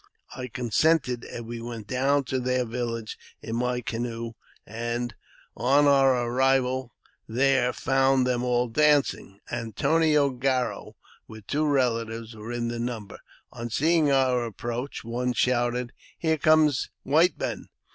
I consented, and we went down to their village in my canoe, and on our arrival there found them all dancing. Antoine Garro, with two relatives, were in the number. On seeing our approach, one shouted, " Here come white men